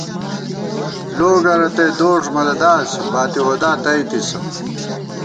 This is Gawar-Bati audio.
لوگہ رتئ دوݭ مہ لداس، باتی وودا تئیتِسہ